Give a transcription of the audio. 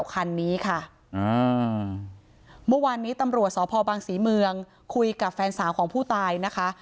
คันนี้ค่ะเมื่อวานนี้ตำรวจสพบังศรีเมืองคุยกับแฟนสาวของผู้ตายนะคะ